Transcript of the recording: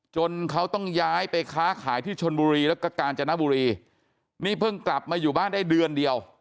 จนเขาต้องย้ายไปค้าขายที่ชนบุรีแล้วก็กาญจนบุรีนี่เพิ่งกลับมาอยู่บ้านได้เดือนเดียว